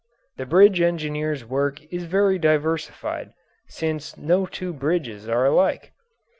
The bridge engineer's work is very diversified, since no two bridges are alike.